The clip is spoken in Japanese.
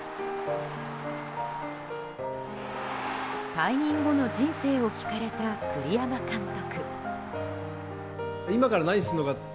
退任後の人生を聞かれた栗山監督。